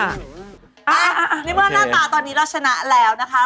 ในเมื่อหน้าตาตอนนี้เราชนะแล้วนะคะ